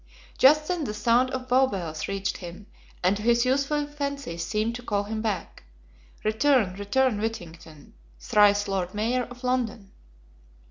Just then the sound of Bow Bells reached him, and to his youthful fancy seemed to call him back: "Return, return, Whittington; Thrice Lord Mayor of London."